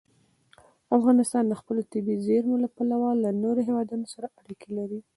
افغانستان د خپلو طبیعي زیرمو له پلوه له نورو هېوادونو سره اړیکې لري.